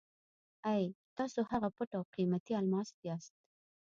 اې! تاسو هغه پټ او قیمتي الماس یاست.